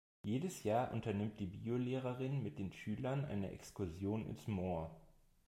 Jedes Jahr unternimmt die Biolehrerin mit den Schülern eine Exkursion ins Moor.